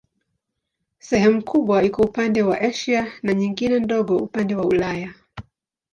Sehemu kubwa iko upande wa Asia na nyingine ndogo upande wa Ulaya.